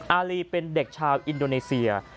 อารีเป็นเด็กชาวอินโดนีเซีย